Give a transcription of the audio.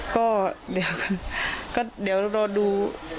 ก็เดี๋ยวคุณแต่งเดี๋ยวเรารอดู